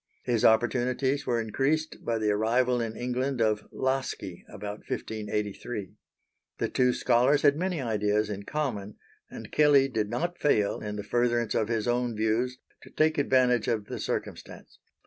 His opportunities were increased by the arrival in England of Laski, about 1583. The two scholars had many ideas in common, and Kelley did not fail, in the furtherance of his own views, to take advantage of the circumstance.